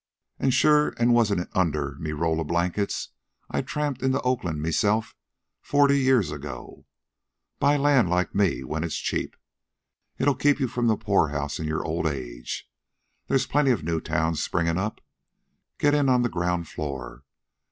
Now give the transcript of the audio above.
"Sure an' wasn't it under me roll of blankets I tramped into Oakland meself forty year ago! Buy land, like me, when it's cheap. It'll keep you from the poorhouse in your old age. There's plenty of new towns springin' up. Get in on the ground floor.